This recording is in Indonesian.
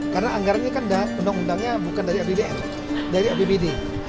karena anggaranya kan undang undangnya bukan dari abbd dari abbd